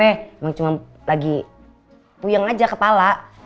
eh emang cuma lagi puyang aja kepala